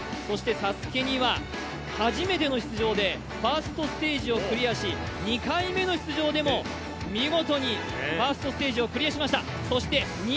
そして「ＳＡＳＵＫＥ」には初めての出場でファーストステージをクリアし２回目の出場でも見事にファーストステージをクリアしました。